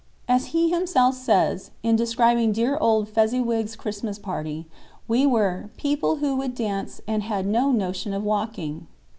As he himself says, in describing dear old "Fezziwig's" Christmas party, we were "people who would dance and had no notion of walking."